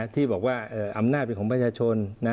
ที่บอกว่าอำนาจเป็นของประชาชน